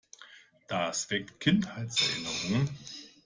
Das weckt Kinderheitserinnerungen.